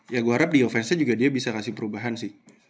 ya gue harap di yofansnya juga dia bisa kasih perubahan sih